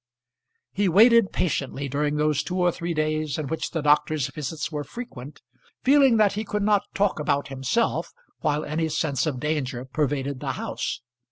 He waited patiently during those two or three days in which the doctor's visits were frequent, feeling that he could not talk about himself while any sense of danger pervaded the house.